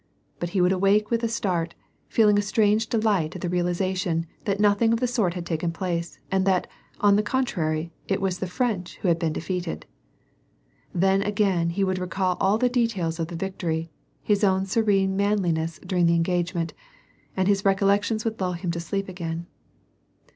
But he would'awake with a start, feeling a strange delight in the realization that nothing of the sort had taken place, and that, on the contrarj^, it was the French who had been defeated. Then, again, he would recall all the details of the victory, his own serene manliness during the engagement, and his recollections would lull him to sleep again.